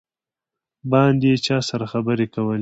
باندې یې چا سره خبرې کولې.